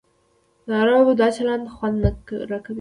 د عربو دا چلند خوند نه راکوي.